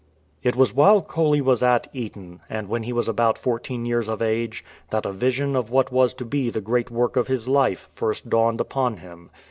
It was while Coley was at Eton, and when he was about fourteen years of age, that a vision of what was to be the great work of his life first dawned upon him.